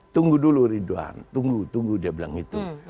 tunggu dulu ridwan tunggu tunggu dia bilang itu